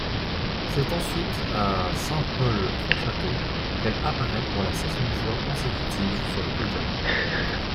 C'est ensuite à Saint-Paul-Trois-Châteaux qu'elle apparaît pour la septième fois consécutive sur le podium.